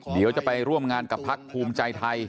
เดี๋ยวจะไปร่วมงานกับพักภูมิใจไทย